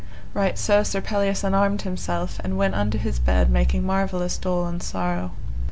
Right so Sir Pelleas unarmed himself, and went unto his bed making marvellous dole and sorrow.